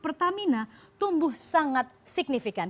pertamina tumbuh sangat sempurna